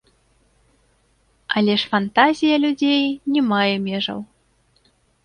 Але ж фантазія людзей не мае межаў.